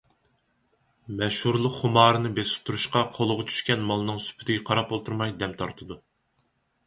مەشھۇرلۇق خۇمارىنى بېسىقتۇرۇشقا قولىغا چۈشكەن مالنىڭ سۈپىتىگە قاراپ ئولتۇرماي دەم تارتىدۇ.